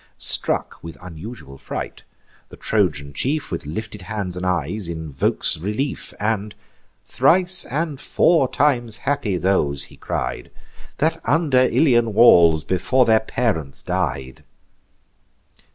Struck with unusual fright, the Trojan chief, With lifted hands and eyes, invokes relief; And, "Thrice and four times happy those," he cried, "That under Ilian walls before their parents died!